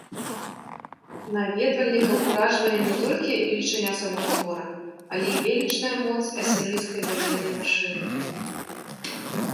Наведвальнікаў уражвае не толькі велічыня самога твора, але і велічная моц асірыйскай ваеннай машыны.